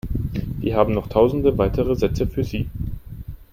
Wir haben noch tausende weitere Sätze für Sie.